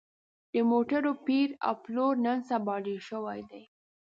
د موټرو پېر او پلور نن سبا ډېر شوی دی